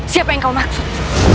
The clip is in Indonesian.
siapa yang kau maksud